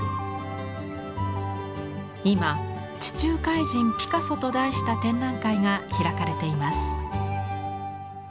今「地中海人ピカソ」と題した展覧会が開かれています。